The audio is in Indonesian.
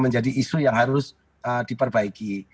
menjadi isu yang harus diperbaiki